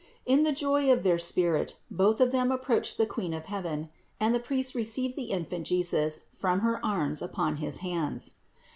In the joy of their spirit both of them approached the Queen 'of heaven, and the priest received the Infant Jesus from her arms upon his hands.